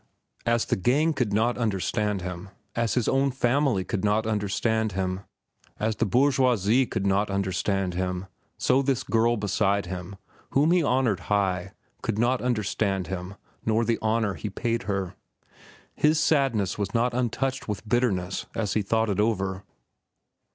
As the gang could not understand him, as his own family could not understand him, as the bourgeoisie could not understand him, so this girl beside him, whom he honored high, could not understand him nor the honor he paid her. His sadness was not untouched with bitterness as he thought it over.